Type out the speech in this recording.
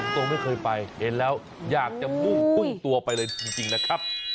ตรงไม่เคยไปเห็นแล้วอยากจะมุ่งพุ่งตัวไปเลยจริงนะครับ